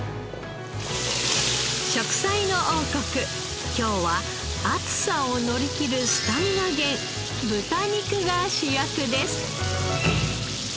『食彩の王国』今日は暑さを乗りきるスタミナ源豚肉が主役です。